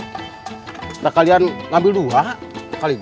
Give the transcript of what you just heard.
kita kalian ngambil dua